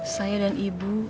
saya dan ibu